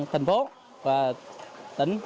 thành phố và tỉnh